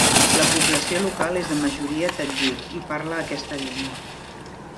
La població local és de majoria tadjik i parla aquesta llengua.